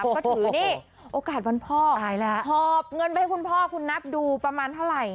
ก็ถือนี่โอกาสวันพ่อหอบเงินไปให้คุณพ่อคุณนับดูประมาณเท่าไหร่